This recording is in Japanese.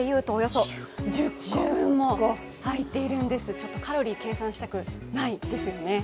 ちょっとカロリー計算したくないですよね。